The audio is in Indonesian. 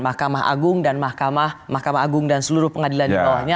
mahkamah agung dan mahkamah agung dan seluruh pengadilan di bawahnya